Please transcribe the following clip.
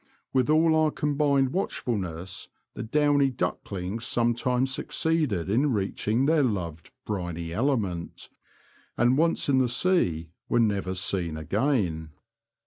With all our combined watch fulness the downy ducklings sometimes suc seeded in reaching their loved briny element, and once in the sea were never seen again.